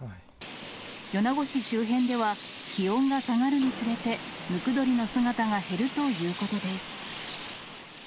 米子市周辺では、気温が下がるにつれて、ムクドリの姿が減るということです。